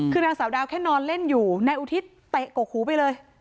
คือนางสาวดาวแค่นอนเล่นอยู่นายอุทิศเตะกกหูไปเลย